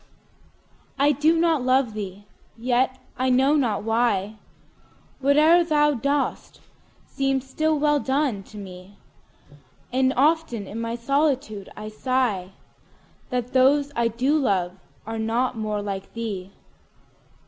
I do not love thee!—yet, I know not why, 5 Whate'er thou dost seems still well done, to me: And often in my solitude I sigh That those I do love are not more like thee!